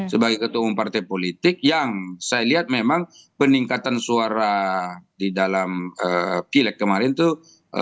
sebagai ketua umum partai politik yang saya lihat memang peningkatan suara di dalam pileg kemarin itu